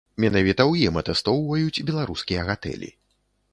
Менавіта ў ім атэстоўваюць беларускія гатэлі.